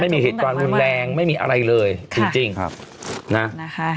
ไม่มีเหตุการณ์วุลแรงไม่มีอะไรเลยจริงนะครับใช่